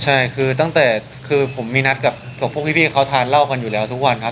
ใช่คือตั้งแต่คือผมมีนัดกับพวกพี่เขาทานเหล้ากันอยู่แล้วทุกวันครับ